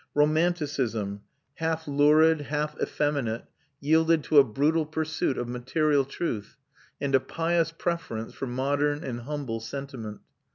Romanticism, half lurid, half effeminate, yielded to a brutal pursuit of material truth, and a pious preference for modern and humble sentiment.